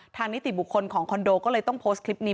นิติบุคคลของคอนโดก็เลยต้องโพสต์คลิปนี้